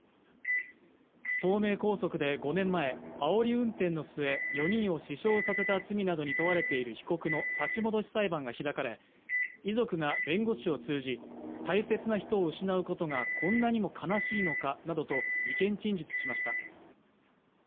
東名高速で５年前あおり運転の末４人を死傷させた罪などに問われている被告の差し戻し裁判が開かれ遺族が弁護士を通じ大切な人を失うことがこんなにも悲しいのかなどと意見陳述しました